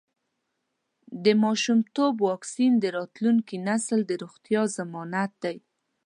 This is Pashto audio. د ماشومتوب واکسین د راتلونکي نسل د روغتیا ضمانت دی.